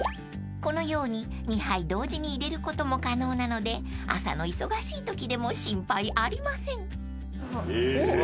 ［このように２杯同時に入れることも可能なので朝の忙しいときでも心配ありません］